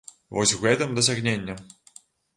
Вось у гэтым дасягненне.